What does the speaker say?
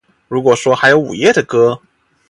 如果说还有午夜的歌